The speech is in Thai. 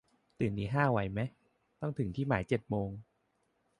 ตื่นตีห้า ไหวไหม ต้องถึงที่หมายเจ็ดโมง